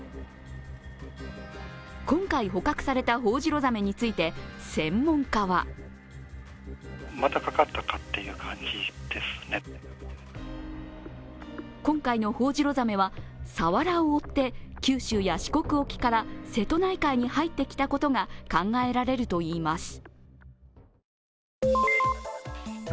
今回捕獲されたホオジロザメについて専門家は今回のホオジロザメはサワラを追って九州や四国沖から瀬戸内海に入ってきたことが考えられるといいます。